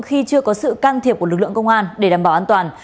khi chưa có sự can thiệp của lực lượng công an để đảm bảo an toàn